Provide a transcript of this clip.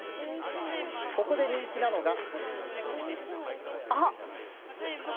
ここで人気なのが。